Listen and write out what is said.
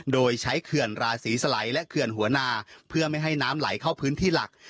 โดยใช้เขื่อนราศีสลัยและเขื่อนหัวนาเพื่อไม่ให้น้ำไหลเข้าพื้นที่หลัก